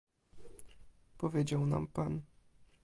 Powiedział nam pan